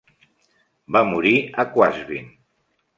Va morir a Qazwin.